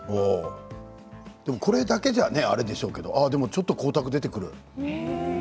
でも、これだけじゃあれでしょうけれどでもちょっと光沢が出てくる。